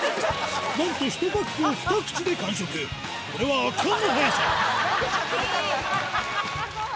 なんと１パックを２口で完食これは圧巻の早さいい！